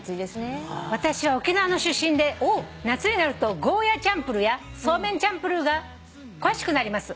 「私は沖縄の出身で夏になるとゴーヤーチャンプルーやそうめんチャンプルーが恋しくなります」